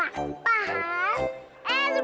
jadi nggak boleh saling mencelak